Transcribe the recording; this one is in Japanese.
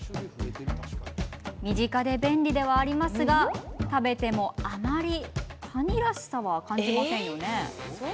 身近で便利ではありますが食べても、あまりカニらしさは感じませんよね？